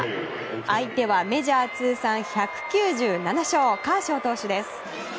相手はメジャー通算１９７勝カーショー投手です。